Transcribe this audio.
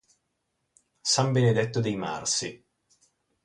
San Benedetto dei Marsi".